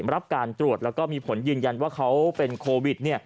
รับการตรวจแล้วก็มีผลยืนยันว่าเขาเป็นโควิด